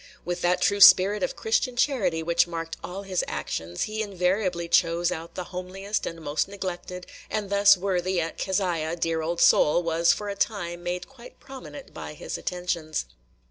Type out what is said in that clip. With that true spirit of Christian charity which marked all his actions, he invariably chose out the homeliest and most neglected, and thus worthy Aunt Keziah, dear old soul, was for a time made quite prominent by his attentions.